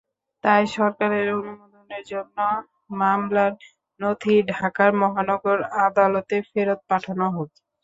তাই সরকারের অনুমোদনের জন্য মামলার নথি ঢাকার মহানগর আদালতে ফেরত পাঠানো হোক।